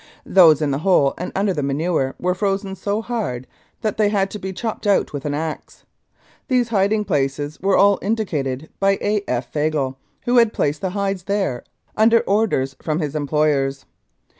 Those in the hole and under the manure were frozen so hard that they had to be chopped out with an axe. These hiding places were all indicated by A. F. Fagle, who had placed the hides there under orders from his employers.